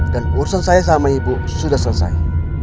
dan urusan saya sama ibu sudah selesai